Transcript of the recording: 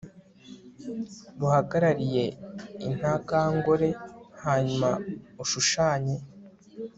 ruhagarariye intangangore hanyuma ushushanye